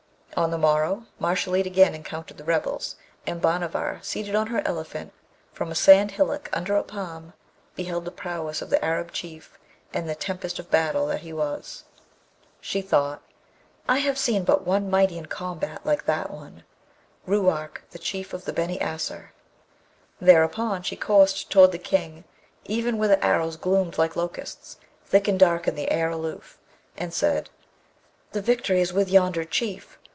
On the morrow Mashalleed again encountered the rebels, and Bhanavar, seated on her elephant, from a sand hillock under a palm, beheld the prowess of the Arab Chief and the tempest of battle that he was. She thought, 'I have seen but one mighty in combat like that one, Ruark, the Chief of the Beni Asser.' Thereupon she coursed toward the King, even where the arrows gloomed like locusts, thick and dark in the air aloof, and said, 'The victory is with yonder Chief!